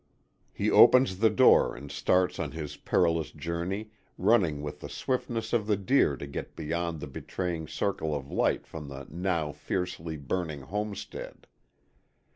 He opens the door and starts on his perilous journey, running with the swiftness of the deer to get beyond the betraying circle of light from the now fiercely burning homestead.